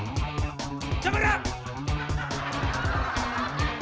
aduh aduh aduh aduh